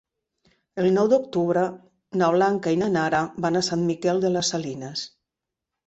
El nou d'octubre na Blanca i na Nara van a Sant Miquel de les Salines.